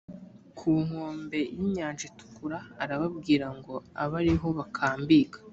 ku nkombe y’inyanja itukura arababwira ngo abe ari ho bakambika